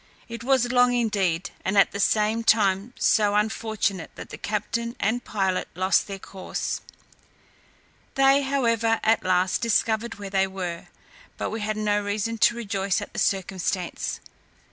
It was long indeed, and at the same time so unfortunate, that the captain and pilot lost their course. They however at last discovered where they were, but we had no reason to rejoice at the circumstance.